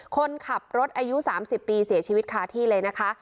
คนขับรถอายุ๓๐ปีเสียชีวิตคาที่เลยนะคะ